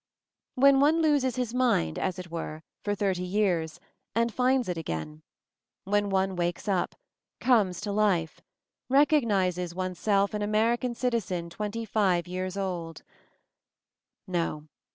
When one loses his mind, as it were, for thirty years, and finds it again; when one wakes up; comes to life; recognizes oneself an American citizen twenty five years old No.